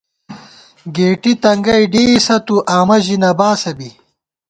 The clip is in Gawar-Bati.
گېٹی تنگَئ ڈېئیسَہ تُو آمہ ژی نہ باسہ بی